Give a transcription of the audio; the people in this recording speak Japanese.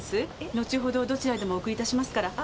のちほどどちらへでもお送りいたしますから。